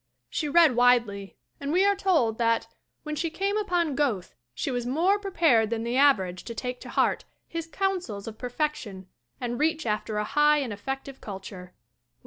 She read widely and we are told that "when she came upon Goethe she was more prepared than the average to take to heart his counsels of perfection and reach after a high and effective culture!"